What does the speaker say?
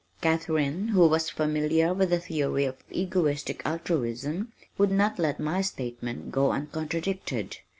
Katharine who was familiar with the theory of Egoistic Altruism would not let my statement go uncontradicted.